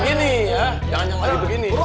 lain om tuh suka terharu